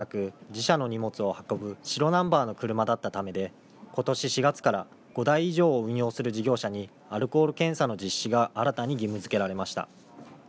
これは事故を起こしたトラックが運送業者ではなく自社の荷物を運ぶ白ナンバーの車だったためでことし４月から５台以上を運用する事業者にアルコール検査の実施が新たに義務づけられました。